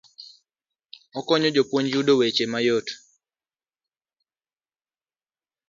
Okonyo jopuonj yudo weche mayot.